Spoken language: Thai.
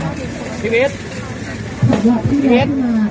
สวัสดีครับทุกคนวันนี้เกิดขึ้นทุกวันนี้นะครับ